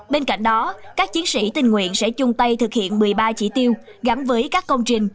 bên cạnh đó các chiến sĩ tình nguyện sẽ chung tay thực hiện một mươi ba chỉ tiêu gắn với các công trình